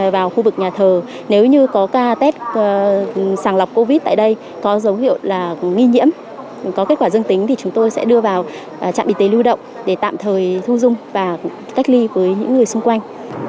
vào khu vực nhà thờ nếu như có test sáng lọc covid tại đây có dấu hiệu là nghi nhiễm có kết quả dân tính thì chúng tôi sẽ đưa vào trạm đi tế lưu động để tạm thời thu dung và cách ly với những người xung quanh